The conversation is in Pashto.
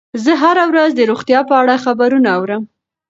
زه هره ورځ د روغتیا په اړه خبرونه اورم.